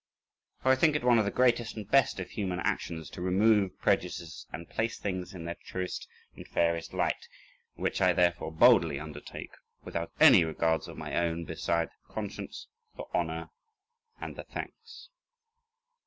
For I think it one of the greatest and best of human actions to remove prejudices and place things in their truest and fairest light, which I therefore boldly undertake, without any regards of my own beside the conscience, the honour, and the thanks.